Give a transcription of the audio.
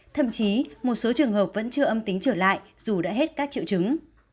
thậm chí một số trường hợp vẫn chưa âm tính trở lại dù đã hết các triệu chứng